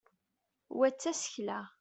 wa d tasekla